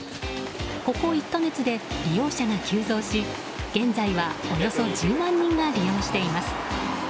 ここ１か月で利用者が急増し現在はおよそ１０万人が利用しています。